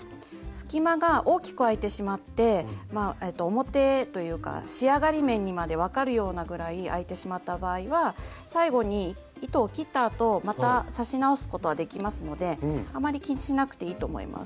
隙間が大きく空いてしまって表というか仕上がり面にまで分かるようなぐらい空いてしまった場合は最後に糸を切ったあとまた刺し直すことはできますのであまり気にしなくていいと思います。